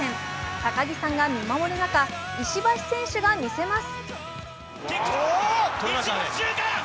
高木さんが見守る中、石橋選手が見せます。